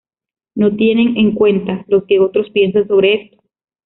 No tiene en cuenta, lo que otros piensan sobre esto